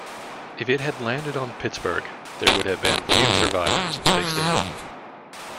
"If it had landed on Pittsburgh there would have been few survivors", they stated.